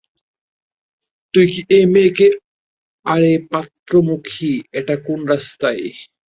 তুই কি এক মেয়েকেই আরে পাত্র-মুখী, এটা কোন রাস্তায়?